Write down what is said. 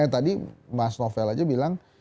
tadi mas novel aja bilang